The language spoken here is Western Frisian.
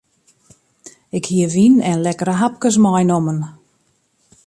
Ik hie wyn en lekkere hapkes meinommen.